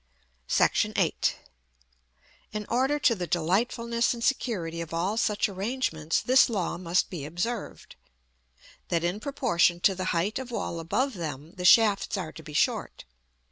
§ VIII. In order to the delightfulness and security of all such arrangements, this law must be observed: that in proportion to the height of wall above them, the shafts are to be short.